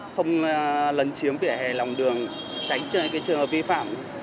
không lấn chiếm vỉa hè lòng đường tránh trường hợp vi phạm